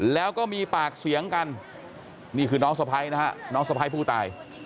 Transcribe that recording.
แล้วก็มีปากเสียงกันนี่คือน้องสะพ้ายผู้ตาย